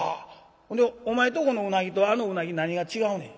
「ほんでお前とこのうなぎとあのうなぎ何が違うねん？」。